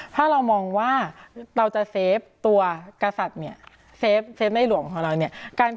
ถ้าเรามองว่าเราจะเซฟตัวกษัตริย์เนี่ยเซฟในหลวงของเราเนี่ย